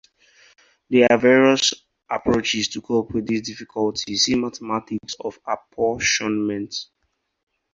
There are various approaches to cope with this difficulty (see mathematics of apportionment).